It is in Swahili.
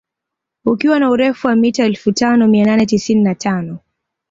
Ukiwa na urefu wa mita Elfu tano mia nane tisini na tano